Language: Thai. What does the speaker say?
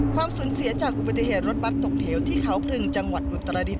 ความสูญเสียจากอุบัติเหตุรถบัสตกเหวที่เขาพรึงจังหวัดอุตรดิษ